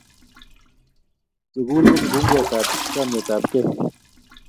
Sukul ko kifunguet ab chomietabkei